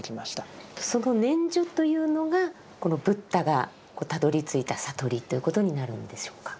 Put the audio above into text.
その念処というのがこのブッダがたどりついた悟りということになるんでしょうか。